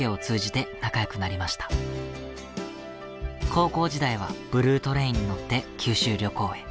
高校時代はブルートレインに乗って九州旅行へ。